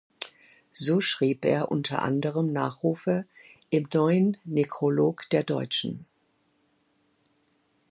So schrieb er unter anderem Nachrufe im "Neuen Nekrolog der Deutschen".